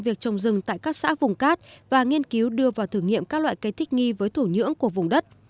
việc trồng rừng tại các xã vùng cát và nghiên cứu đưa vào thử nghiệm các loại cây thích nghi với thổ nhưỡng của vùng đất